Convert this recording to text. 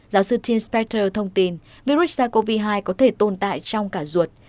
giáo sư tim spector thông tin virus sars cov hai có thể tồn tại trong cả ruột